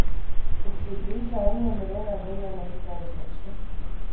Kopš šī brīža Anna nevienā dejā netika aizmirsta.